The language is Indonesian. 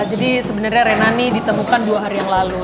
jadi sebenarnya rena ini ditemukan dua hari yang lalu